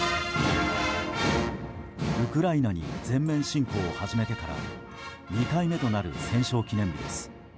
ウクライナに全面侵攻を始めてから２回目となる戦勝記念日です。